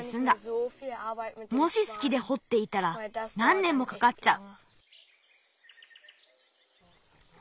もしすきでほっていたらなんねんもかかっちゃう。